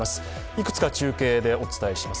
いくつか中継でお伝えします。